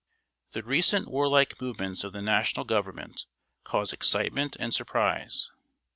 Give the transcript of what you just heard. _ The recent warlike movements of the National Government cause excitement and surprise.